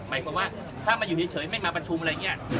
หมายความว่าถ้ามาอยู่เฉยไม่มาประชุมอะไรอย่างนี้